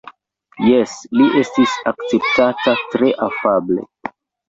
Jes, li estis akceptata tre afable.